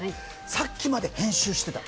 さっきまで編集してた。